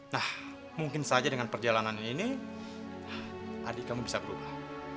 nah mungkin saja dengan perjalanan ini adik kamu bisa berubah